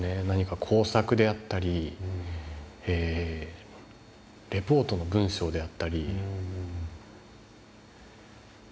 何か工作であったりレポートの文章であったり。